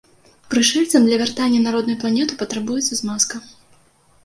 Прышэльцам для вяртання на родную планету патрабуецца змазка.